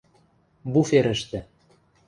Буферӹштӹ